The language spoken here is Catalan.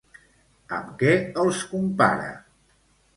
Amb què els compara?